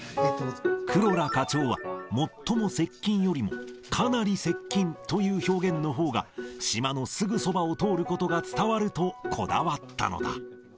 黒良課長は、最も接近よりも、かなり接近という表現のほうが、島のすぐそばを通ることが伝わると、こだわったのだ。